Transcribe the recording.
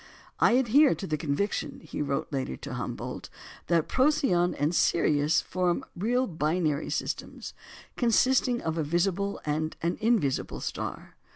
"I adhere to the conviction," he wrote later to Humboldt, "that Procyon and Sirius form real binary systems, consisting of a visible and an invisible star.